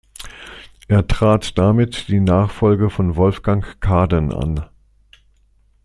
Er trat damit die Nachfolge von Wolfgang Kaden an.